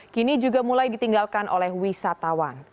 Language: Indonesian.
kini juga mulai ditinggalkan oleh wisatawan